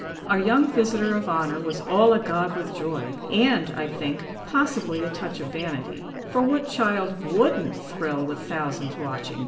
Our young visitor of honor was all agog with joy; and, I think, possibly a touch of vanity; for what child wouldn't thrill with thousands watching?